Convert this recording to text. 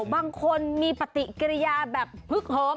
บางคนมีปฏิกิริยาแบบฮึกเหิม